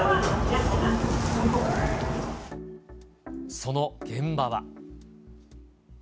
その現場は。